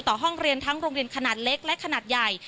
ห้องเรียนทั้งโรงเรียนขนาดเล็กและขนาดใหญ่